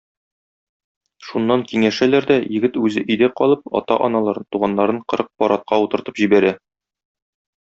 Шуннан киңәшәләр дә, егет үзе өйдә калып, ата-аналарын, туганнарын кырык пар атка утыртып җибәрә.